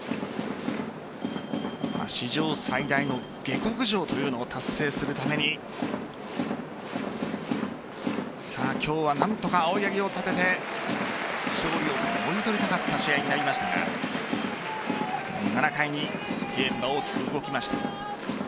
史上最大の下克上というのを達成するために今日は何とか青柳を立てて勝利をもぎ取りたかった試合になりますが７回にゲームが大きく動きました。